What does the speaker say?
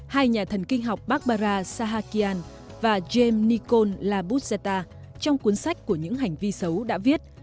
hai nhà thần kinh học barbara sahakian và james nikol labujeta trong cuốn sách của những hành vi xấu đã viết